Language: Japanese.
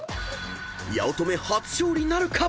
［八乙女初勝利なるか⁉］